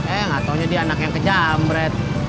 eh gatau nya dia anak yang kejam bret